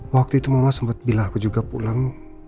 waktu itu mama sempat bilang aku juga pulang